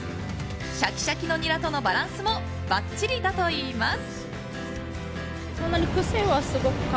シャキシャキのニラとのバランスもばっちりだといいます。